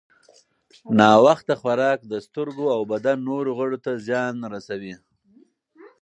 ناوخته خوراک د سترګو او بدن نورو غړو ته زیان رسوي.